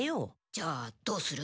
じゃあどうする？